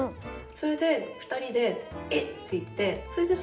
それで２人で「えっ！？」って言ってそれで。